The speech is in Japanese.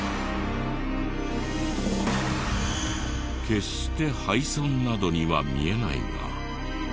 決して廃村などには見えないが。